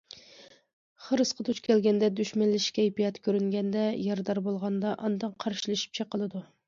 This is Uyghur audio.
خىرىسقا دۇچ كەلگەندە، دۈشمەنلىشىش كەيپىياتى كۆرۈنگەندە، يارىدار بولغاندا ئاندىن قارشىلىشىپ چېقىلىدۇ.